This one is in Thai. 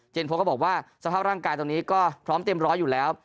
โพก็บอกว่าสภาพร่างกายตอนนี้ก็พร้อมเต็มร้อยอยู่แล้ว